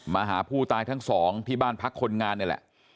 หาผู้ตายทั้งสองที่บ้านพักคนงานนี่แหละ